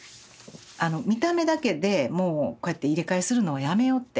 見た目だけでもうこうやって入れ替えするのはやめようって。